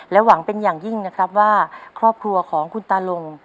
หวังเป็นอย่างยิ่งนะครับว่าครอบครัวของคุณตาลง